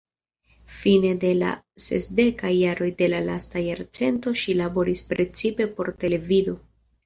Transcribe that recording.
Fine de la sesdekaj jaroj de la lasta jarcento ŝi laboris precipe por televido.